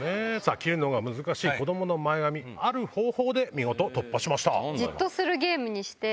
切るのが難しい子供の前髪ある方法で見事突破しました。